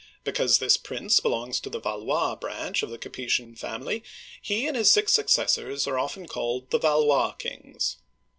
Because this prince belongs to the Valois (va lwa') branch of the Capetian family, he and his six successors are often called the "Valois Kings."